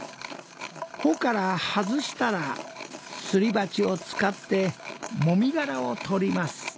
穂から外したらすり鉢を使ってもみ殻を取ります。